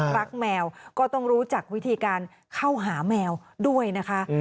แมวก็ต้องรู้จักวิธีการเข้าหาแมวด้วยนะคะ